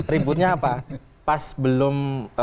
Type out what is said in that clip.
ributnya apa pas belum